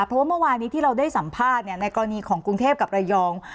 เพราะว่าเมื่อวานี้ที่เราได้สัมภาษณ์ในกรณีของกรุงเทพกับระยอง